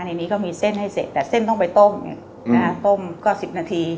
ในนี้ก็มีเส้นให้เสร็จแต่เส้นต้องไปต้มต้มก็๑๐นาที